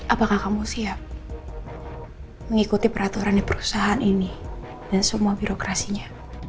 apakah kamu siap mengikuti peraturan di perusahaan ini dan semua birokrasinya